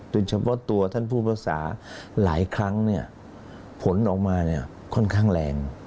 เป็นเฉพาะตัวท่านผู้ภาษาหลายครั้งผลออกมาค่อนข้างแรง